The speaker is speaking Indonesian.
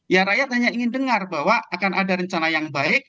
ya rakyat hanya ingin dengar bahwa akan ada rencana yang baik